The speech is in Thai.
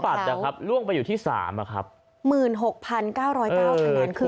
จากภาชาธิปัดอะครับล่วงไปอยู่ที่สามมื่นหกพันเก้าร้อยเต้าครั้งนั้นคือ